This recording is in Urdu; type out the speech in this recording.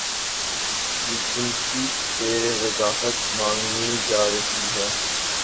یجنسی سے وضاحت مانگی جا رہی ہے۔